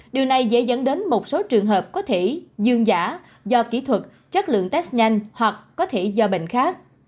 điều này dễ dẫn đến một số trường hợp có thể dương giả do kỹ thuật chất lượng test nhanh hoặc có thể do bệnh khác